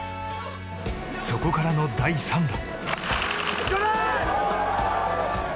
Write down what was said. そこからの第３打。